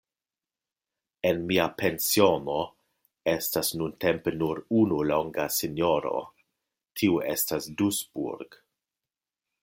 En mia pensiono estas nuntempe nur unu longa sinjoro, tiu estas Dusburg.